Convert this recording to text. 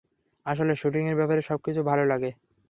আসলে, শুটিংয়ের ব্যাপারে সবকিছু ভাল লাগে।